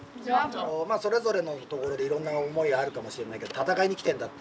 まあそれぞれのところでいろんな思いあるかもしれないけど戦いに来てんだっていうね